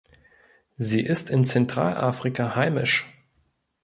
Sie ist in Zentralafrika heimisch.